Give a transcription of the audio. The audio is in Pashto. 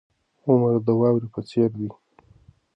عمر د واورې په څیر دی.